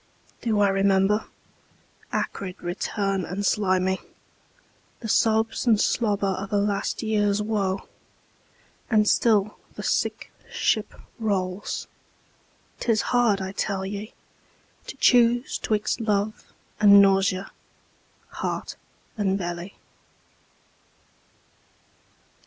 Do I remember? Acrid return and slimy, The sobs and slobber of a last years woe. And still the sick ship rolls. 'Tis hard, I tell ye, To choose 'twixt love and nausea, heart and belly.